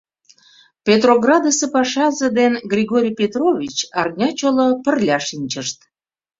Петроградысе пашазе ден Григорий Петрович арня чоло пырля шинчышт.